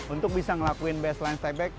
untuk bisa ngelakuin baseline stay back